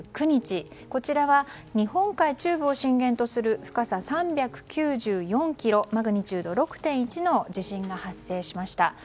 こちらは日本海中部を震源とする深さ３９４ｋｍマグニチュード６．１の地震が発生しました。